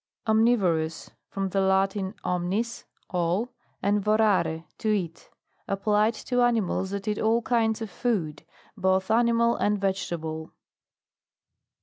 OMNIVOROUS. From the Latin, omnis, all, and vorare, to eat. Applied to animals that eat all kinds of food, both animal and vegetable.